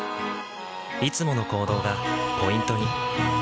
いつもの行動がポイントに。